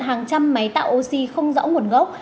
hàng trăm máy tạo oxy không rõ nguồn gốc